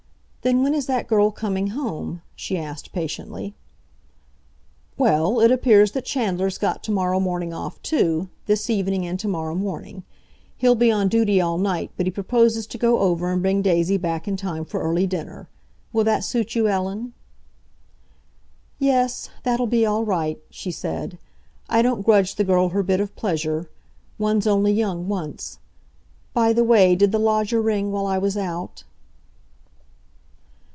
"Then when is that girl coming home?" she asked patiently. "Well, it appears that Chandler's got to morrow morning off too—this evening and to morrow morning. He'll be on duty all night, but he proposes to go over and bring Daisy back in time for early dinner. Will that suit you, Ellen?" "Yes. That'll be all right," she said. "I don't grudge the girl her bit of pleasure. One's only young once. By the way, did the lodger ring while I was out?"